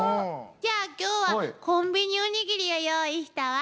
じゃあ今日はコンビニおにぎりを用意したわ。